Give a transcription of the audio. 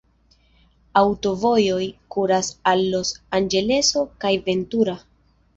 Aŭtovojoj kuras al Los-Anĝeleso kaj Ventura.